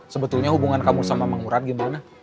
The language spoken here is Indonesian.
sebetulnya hubungan kamu sama mang murad gimana